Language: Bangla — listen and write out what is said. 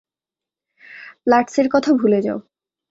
প্লাটসের কথা ভুলে যাও।